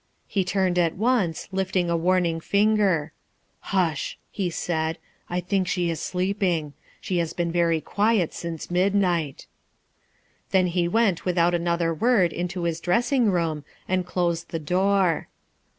He turned at once, lifting a warning finger. "Hush I" 'he said; "I think she is sleeping. She has been very quiet since midnight/' Then he went without another word into his dressing room and closed the door.